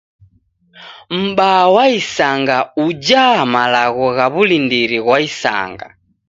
M'baa wa isanga ujaa malagho gha w'ulindiri ghwa isanga.